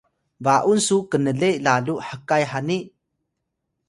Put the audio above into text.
ba’un su knle lalu hkay hani?